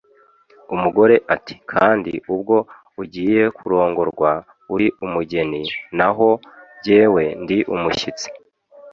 umuogore ati: "Kandi ubwo ugiye kurongorwa, uri umugeni, naho jyewe ndi umushyitsi"